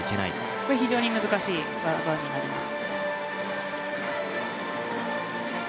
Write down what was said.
これは非常に難しい技になります。